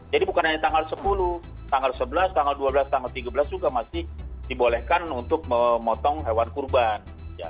jadi bukan hanya tanggal sepuluh tanggal sebelas tanggal dua belas tanggal tiga belas juga masih dibolehkan untuk memotong hewan korban